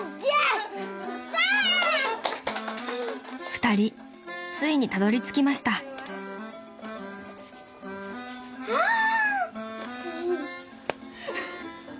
［２人ついにたどりつきました］・あっ！